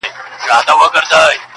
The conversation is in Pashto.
مور چي ژړيږي زوی يې تللی د کلو په سفر~